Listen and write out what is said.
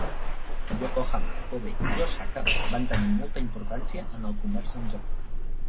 Yokohama, Kobe i Osaka van tenir molta importància en el comerç amb Japó.